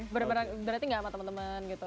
berarti nggak sama teman teman gitu